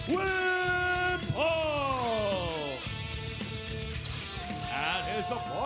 วิ้มพอร์